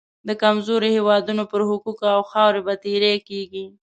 د کمزورو هېوادونو پر حقوقو او خاورې به تیری کېږي.